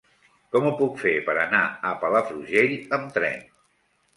Com ho puc fer per anar a Palafrugell amb tren?